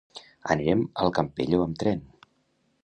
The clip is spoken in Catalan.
Anirem al Campello amb tren.